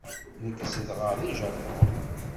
Nekk zedɣeɣ deg Japun.